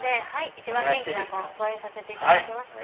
一番元気な子ご用意させていただきますね。